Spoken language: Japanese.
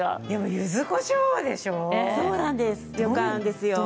でも、ゆずこしょうでしょう？